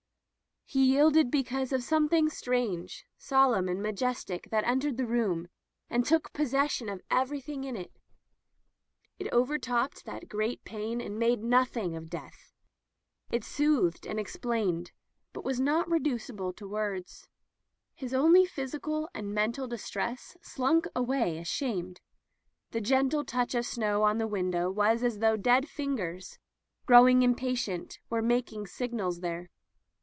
He yielded be cause of something strange, solemn, and majestic that entered the room and took possession of everything in it. It overtopped that great pain and made nothing of death. [ 407 ] Digitized by LjOOQ IC Interventions It soothed and explained, but was not re ducible to words. His own physical and men tal distress slunk away ashamed. The gende touch of snow on the window was as though dead fingers, growing impatient, were mak ing signals there.